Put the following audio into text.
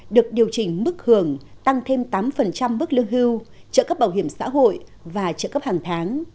được điều chỉnh mức hưởng tăng thêm tám mức lương hưu trợ cấp bảo hiểm xã hội và trợ cấp hàng tháng